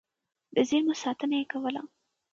د زېرمو ساتنه يې کوله.